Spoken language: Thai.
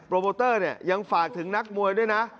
โมเตอร์เนี่ยยังฝากถึงนักมวยด้วยนะ